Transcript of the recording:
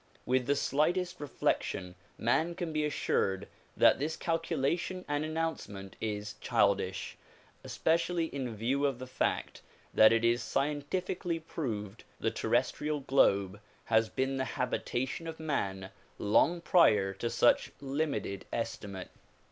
With the slightest reflection man can be assured that this calculation and announcement is childish, especially in view of the fact that it is scientifically proved the terrestrial globe has been the habitation of man long prior to such limited estimate.